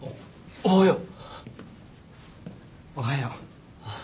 おはよう。